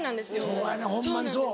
そうやねホンマにそう。